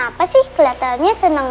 mama kenapa sih kelihatannya senang banget